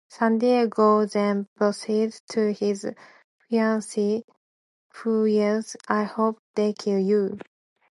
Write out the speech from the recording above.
Santiago then proceeds to his fiancee, who yells, ...I hope they kill you!